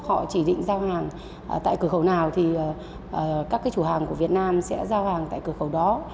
họ chỉ định giao hàng tại cửa khẩu nào thì các cái chủ hàng của việt nam sẽ giao hàng tại cửa khẩu đó